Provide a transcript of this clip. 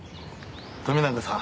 富永さん